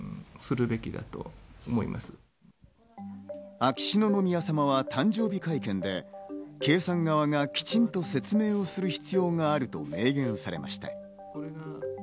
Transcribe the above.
秋篠宮さまは誕生会見で圭さん側がきちんと説明する必要があると明言されました。